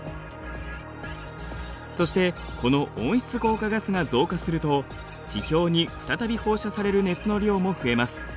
そしてこの温室効果ガスが増加すると地表に再び放射される熱の量も増えます。